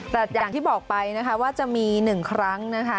แต่อย่างที่บอกไปนะคะว่าจะมี๑ครั้งนะคะ